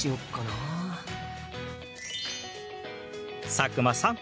佐久間さん